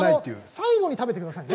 最後に食べてください。